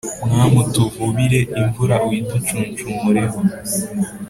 Mwami utuvubire imvura uyiducuncumureho